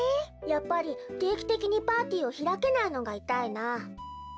やっぱりていきてきにパーティーをひらけないのがいたいな。